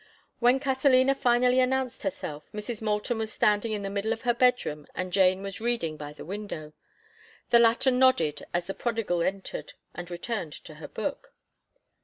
When Catalina finally announced herself, Mrs. Moulton was standing in the middle of her bedroom and Jane was reading by the window. The latter nodded as the prodigal entered, and returned to her book.